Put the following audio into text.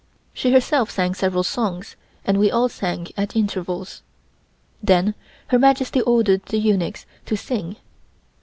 She herself sang several songs, and we all sang at intervals. Then Her Majesty ordered the eunuchs to sing.